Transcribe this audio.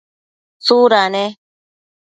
tsuda ne?